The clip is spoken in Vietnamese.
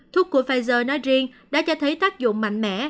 thuốc của pfizer nói riêng đã cho thấy tác dụng mạnh mẽ